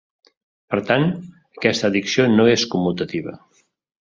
Per tant, aquesta addició no és commutativa.